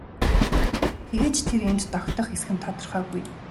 Тэгээд ч тэр энд тогтох эсэх нь тодорхойгүй.